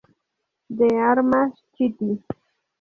De Armas Chitty.